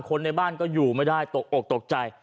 คนในบ้านก็อยู่ไม่ได้ตกอกตกใจ